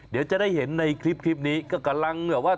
เดี๋ยวจะได้เห็นในคลิปนี้ก็กำลังแบบว่า